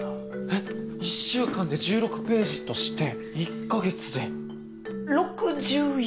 えっ１週間で１６ページとして１カ月で６４万。